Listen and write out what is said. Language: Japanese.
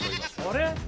あれ。